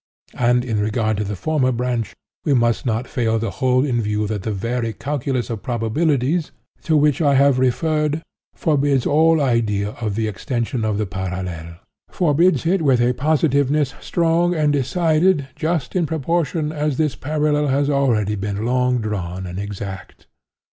And, in regard to the former branch, we must not fail to hold in view that the very Calculus of Probabilities to which I have referred, forbids all idea of the extension of the parallel—forbids it with a positiveness strong and decided just in proportion as this parallel has already been long drawn and exact.